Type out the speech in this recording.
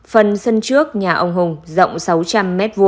phần sân trước nhà ông hùng rộng sáu trăm linh m hai